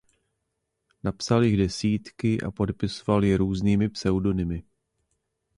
Napsal jich desítky a podepisoval je různými pseudonymy.